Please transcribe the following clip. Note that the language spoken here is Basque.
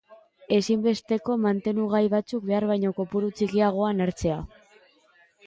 Ezinbesteko mantenugai batzuk behar baino kopuru txikiagoan hartzea.